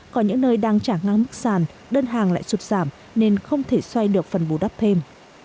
còn những nơi đang trả ngang mức sàn đơn hàng lại sụt giảm nên không thể xoay được phần bù đắp thêm